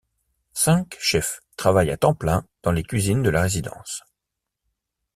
Cinq chefs travaillent à temps plein dans les cuisines de la résidence.